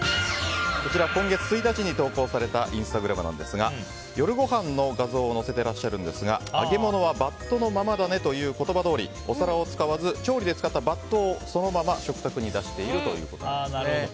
今月１日に投稿されたインスタグラムなんですが夜ご飯のおかずを載せてらっしゃるんですが揚げ物はバットのままだねという言葉どおり、お皿を使わず調理で使ったバットをそのまま食卓に出しているということです。